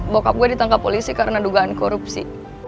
bokap gue ditangkap polisi karena dugaan korupsi